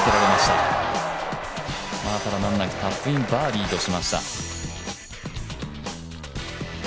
ただ、難なくタップインバーディーとしました。